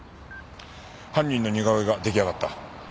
犯人の似顔絵が出来上がった。